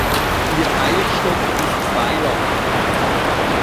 Ihr Eierstock ist zweilappig.